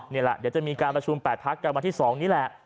เดี๋ยวจะมีการประชุม๘พักกันวันที่๒นี่แหละ